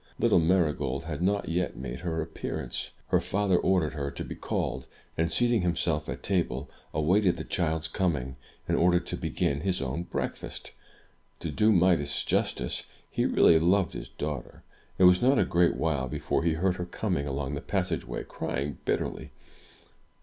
Little Marygold had not yet made her appearance. Her father ordered her to be called, and, seating himself at table, awaited the child's coming, in order to begin his own breakfast. To do Midas justice, he really loved his daughter. It was not a great while before he heard her coming along the passageway crying bitterly.